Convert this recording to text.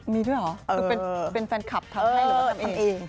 มีด้วยเหรอคือเป็นแฟนคลับทำให้หรือว่าทำเอง